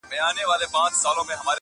سېل د زاڼو پر ساحل باندي تیریږي؛